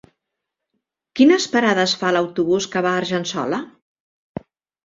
Quines parades fa l'autobús que va a Argençola?